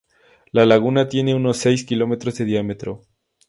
La laguna tiene unos seis kilómetros de diámetro.